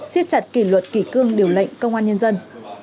xiết chặt kỷ luật kỷ cương điều lệnh công an nhân dân